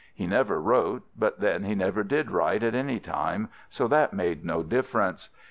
He never wrote; but, then, he never did write at any time, so that made no difference.